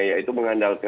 yaitu mengandalkan skill